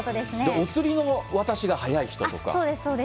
お釣りの渡しが速い人とか。